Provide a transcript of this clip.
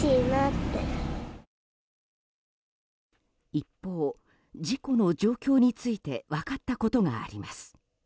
一方、事故の状況について分かったことがあります。